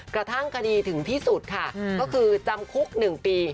กระทั่งคดีถึงที่สุดค่ะก็คือจำคุก๑ปี